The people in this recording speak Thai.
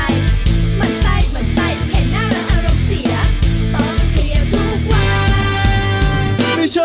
มันใกล้มันใกล้เห็นหน้าและอารมณ์เสียต้องเพียงทุกวัน